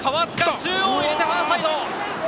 中央、入れてファーサイド！